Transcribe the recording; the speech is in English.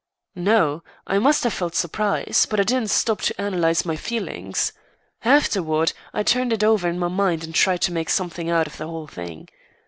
"No, I must have felt surprise, but I didn't stop to analyse my feelings. Afterward, I turned it over in my mind and tried to make something out of the whole thing.